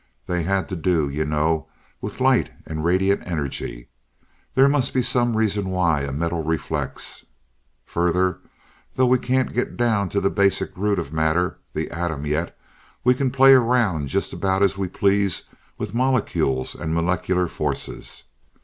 They had to do, you know, with light, and radiant energy. There must be some reason why a metal reflects. Further, though we can't get down to the basic root of matter, the atom, yet, we can play around just about as we please with molecules and molecular forces.